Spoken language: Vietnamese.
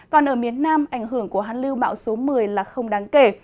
còn ở miền nam ảnh hưởng của hán lưu bão số một mươi là không đáng kể